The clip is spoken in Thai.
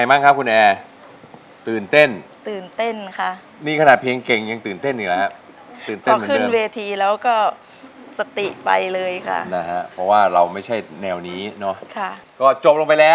แม่เสียดายจัง